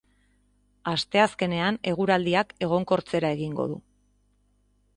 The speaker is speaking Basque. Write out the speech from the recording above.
Asteazkenean eguraldiak egonkortzera egingo du.